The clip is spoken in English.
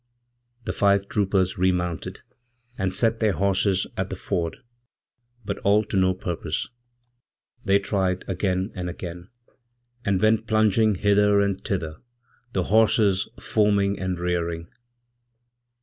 The five troopers remounted, and set their horses at the ford, butall to no purpose. They tried again and again, and went plunginghither and thither, the horses foaming and rearing.